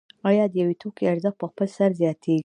آیا د یو توکي ارزښت په خپل سر زیاتېږي